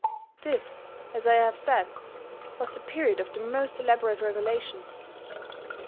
This, as I have said, was the period of the most elaborated regulation.